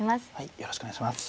よろしくお願いします。